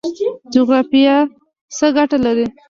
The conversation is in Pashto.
جغرافیه څه ګټه لري؟